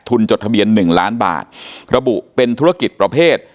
จดทะเบียนหนึ่งล้านบาทระบุเป็นธุรกิจประเภท